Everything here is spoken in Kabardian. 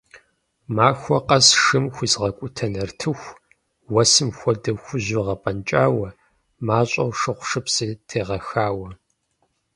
Махуэ къэс шым хуизгъэкӀутэ нартыху, уэсым хуэдэу хужьу гъэпӀэнкӀауэ, мащӀэу шыгъушыпси тегъэхауэ.